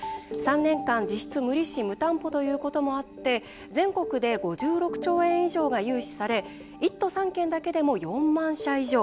３年間、実質無利子・無担保ということもあって全国で５６兆円以上が融資され１都３県だけでも４万社以上。